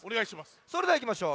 それではいきましょう。